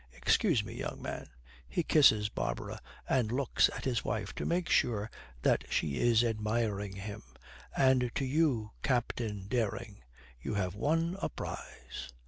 Excuse me, young man.' He kisses Barbara and looks at his wife to make sure that she is admiring him, 'And to you, Captain Dering you have won a prize.'